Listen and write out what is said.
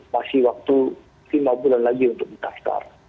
masih waktu lima bulan lagi untuk di taftar